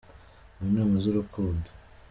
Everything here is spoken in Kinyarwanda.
Mu nama z’urukundo.